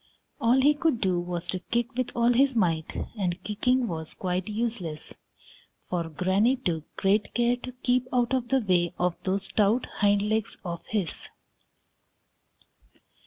All he could do was to kick with all his might, and kicking was quite useless, for Granny took great care to keep out of the way of those stout hind legs of his.